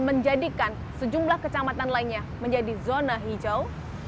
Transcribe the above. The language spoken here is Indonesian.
menjadikan sejumlah kecamatan lainnya menjadi zona hijau